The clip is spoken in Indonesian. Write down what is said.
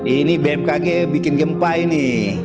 ini bmkg bikin gempa ini